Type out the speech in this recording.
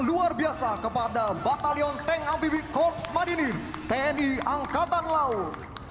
luar biasa kepada batalion tank amfibi korps marinir tni angkatan laut